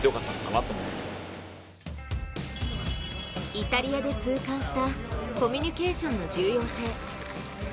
イタリアで痛感したコミュニケーションの重要性。